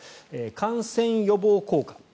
感染予防効果